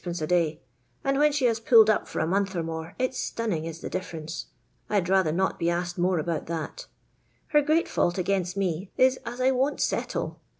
a day ; and when she has puUed up for a month or more it's stunning is the difference. I 'd rather not be asked more about that Her great foolt against me is as I won't settle.